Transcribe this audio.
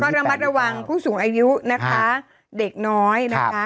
ระมัดระวังผู้สูงอายุนะคะเด็กน้อยนะคะ